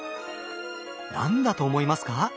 何だと思いますか？